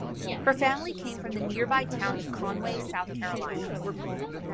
Her family came from the nearby town of Conway, South Carolina.